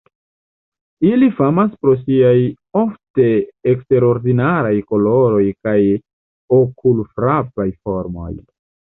Ili famas pro siaj ofte eksterordinaraj koloroj kaj okulfrapaj formoj.